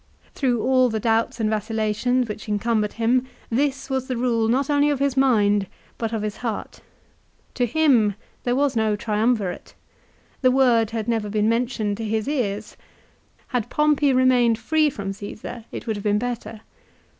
Through all the doubts and vacillations which encumbered him this was the rule not only of his mind, but of his heart. To him there was no Triumvirate. The word had never been mentioned to his ears. Had Pompey remained free from Csesar it would have been better.